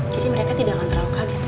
jadi mereka tidak akan terlalu kaget kak